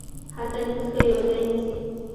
هلته نفوذ کوي او ځای نيسي.